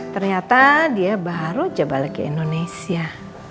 ternyata dia baru aja balik ke indonesia